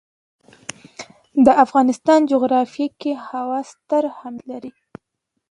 د افغانستان جغرافیه کې هوا ستر اهمیت لري.